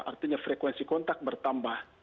artinya frekuensi kontak bertambah